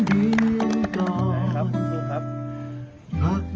ดีจริง